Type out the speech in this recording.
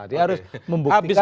dia harus membuktikan bahwa